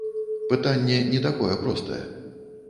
Пытанне не такое простае.